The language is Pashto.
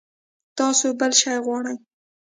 تاسو بل شی غواړئ؟